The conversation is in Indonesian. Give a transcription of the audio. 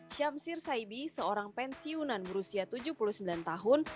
syamsir saibi seorang pensiunan berusia tujuh puluh sembilan tahun